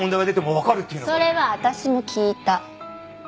それは私も聞いた。